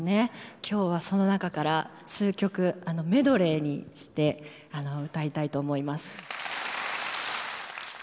今日はその中から数曲メドレーにして歌いたいと思います。